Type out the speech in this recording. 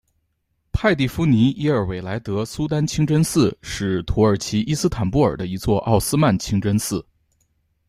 派蒂芙妮耶尔韦莱德苏丹清真寺是土耳其伊斯坦布尔的一座奥斯曼清真寺。